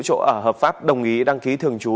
chỗ ở hợp pháp đồng ý đăng ký thường trú